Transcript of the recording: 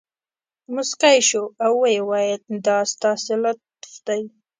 مسکی شو او ویې ویل دا ستاسې لطف دی.